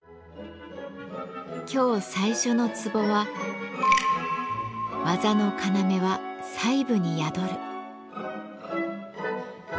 今日最初の壺は「技の要は細部に宿る」。